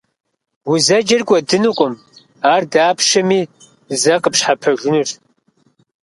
Узэджар кӀуэдынукъым, ар дапщэми зэ къыпщхьэпэжынущ.